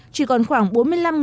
chỉ còn khoảng một năm triệu đồng